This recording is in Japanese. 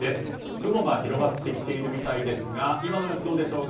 雲が広がってきているみたいですが今の様子どうでしょうか。